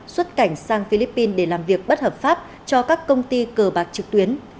xuất cảnh sang philippines để làm việc bất hợp pháp cho các công ty cờ bạc trực tuyến